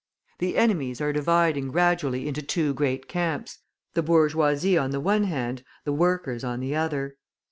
The enemies are dividing gradually into two great camps the bourgeoisie on the one hand, the workers on the other.